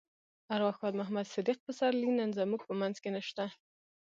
ارواښاد محمد صديق پسرلی نن زموږ په منځ کې نشته.